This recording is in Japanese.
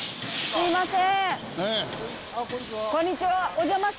すいません。